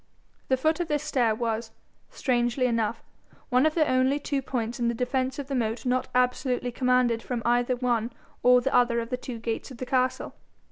The foot of this stair was, strangely enough, one of the only two points in the defence of the moat not absolutely commanded from either one or the other of the two gates of the castle.